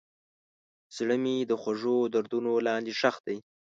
زړه مې د خوږو دردونو لاندې ښخ دی.